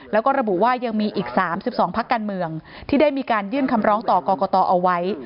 แล้วก็ระบุว่ายังมีอีก๓๒พักการเมืองที่ได้มีการยื่นคำร้องต่อกรกตเอาไว้